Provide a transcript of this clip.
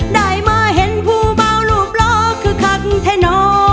ได้มาเห็นผู้บ่าวลูบลอกคือคักแทนอ